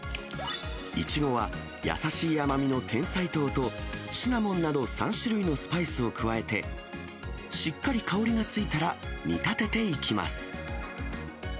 イチゴは、優しい甘みの甜菜糖と、シナモンなど３種類のスパイスを加えて、しっかり香りがついたら、煮たてていきます。